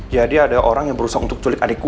jadi ada orang yang berusaha untuk culik adik gua